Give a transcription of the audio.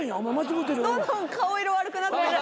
どんどん顔色悪くなってる。